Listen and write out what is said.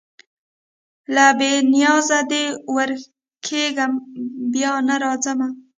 له بې نیازیه دي ورکېږمه بیا نه راځمه